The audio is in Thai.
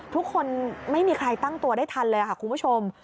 ไม่มีใครตั้งตัวได้ทันเลยค่ะคุณผู้ชม